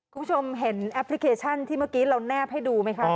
คุณผู้ชมเห็นแอปพลิเคชันที่เมื่อกี้เราแนบให้ดูไหมคะ